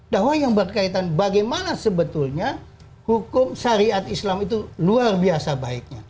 dakwah yang berkaitan bagaimana sebetulnya hukum syariat islam itu luar biasa baiknya